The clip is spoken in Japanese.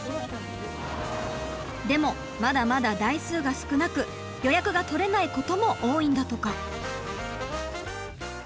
でもまだまだ台数が少なく予約が取れないことも多いんだとか。